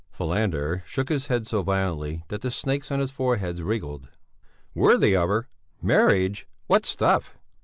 Falander shook his head so violently that the snakes on his forehead wriggled. "Worthy of her? Marriage? What stuff!"